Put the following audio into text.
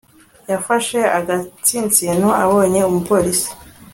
Yafashe agatsinsino abonye umupolisi